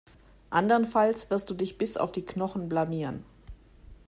Andernfalls wirst du dich bis auf die Knochen blamieren.